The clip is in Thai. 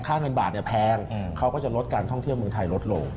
ค่าเงินบาทเนี่ยแพงเขาก็จะลดการท่องเที่ยวเมืองไทยลดลง